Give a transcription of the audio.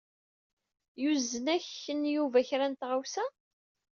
Yuzen-ak-n Yuba kra n tɣawsa.